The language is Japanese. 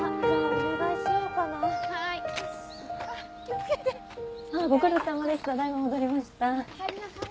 おかえりなさい。